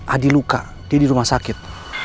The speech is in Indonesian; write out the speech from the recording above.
adi luka dia di rumah sakit